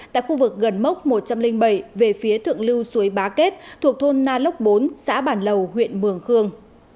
tại khu vực gần mốc một trăm linh bảy về phía thượng lưu suối bá kết thuộc thôn na lốc bốn xã bản lầu huyện mường khương